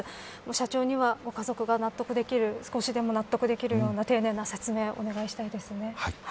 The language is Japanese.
社長にはご家族が少しでも納得できるような丁寧な説明をお願いしたいですね。